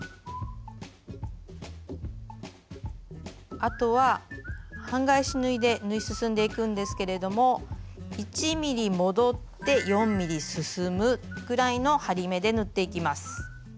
あとは半返し縫いで縫い進んでいくんですけれども１ｍｍ戻って４ｍｍ進むぐらいの針目で縫っていきます。